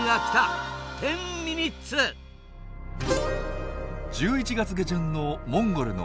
１１月下旬のモンゴルの平原地帯。